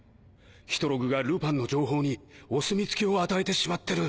ヒトログがルパンの情報にお墨付きを与えてしまってる。